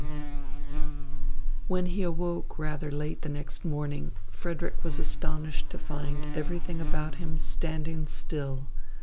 V When he awoke rather late the next morning, Frederick was astonished to find everything about him standing still.